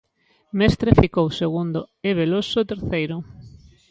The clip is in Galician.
Mestre ficou segundo e Veloso terceiro.